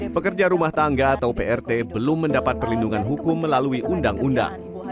pekerja rumah tangga atau prt belum mendapat perlindungan hukum melalui undang undang